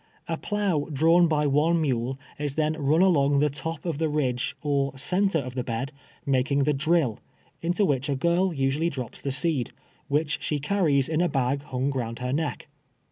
A plough drawn by one mule is thiMi run along the top of the ridge or center of the bed, making the drill, into which a girl usually drops the seed, which she carries in a bag hung round her neck.